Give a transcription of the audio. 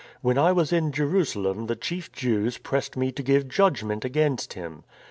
When I was in Jerusalem the chief Jews pressed me to give judgment against him.